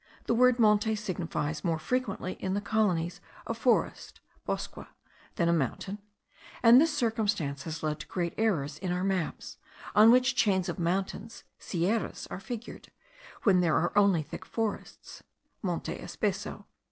The word monte signifies more frequently, in the colonies, a forest (bosque) than a mountain, and this circumstance has led to great errors in our maps, on which chains of mountains (sierras) are figured, where there are only thick forests, (monte espeso.))